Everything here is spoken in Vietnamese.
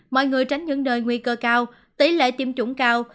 mọi người tránh những nơi nguy cơ cao tỷ lệ tiêm chủng cao